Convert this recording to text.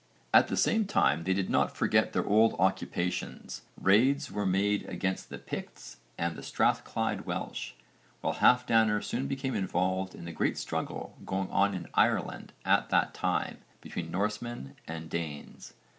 At the same time they did not forget their old occupations. Raids were made against the Picts and the Strathclyde Welsh, while Halfdanr soon became involved in the great struggle going on in Ireland at that time between Norsemen and Danes.